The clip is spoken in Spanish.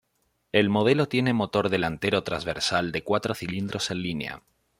El modelo tiene motor delantero trasversal de cuatro cilindros en línea.